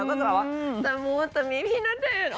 แล้วคิดว่าแม้มุมจะมีพี่ณเดชน์